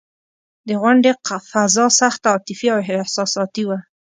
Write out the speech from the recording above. د غونډې فضا سخته عاطفي او احساساتي وه.